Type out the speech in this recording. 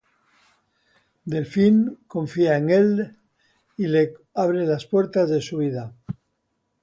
Delphine confía en Elle y le abre las puertas de su vida.